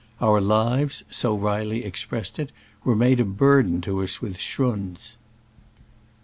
"Our lives," so Reilly ex pressed it, were made a burden to us with schrunds."